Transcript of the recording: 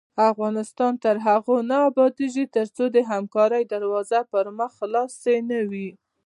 افغانستان تر هغو نه ابادیږي، ترڅو د همکارۍ دروازې پر مخ خلاصې نه وي.